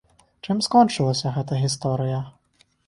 Чым скончылася гэта гісторыя?